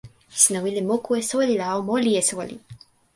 sina wile moku e soweli la o moli e soweli.